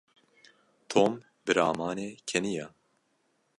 Tom bi ramanê keniya.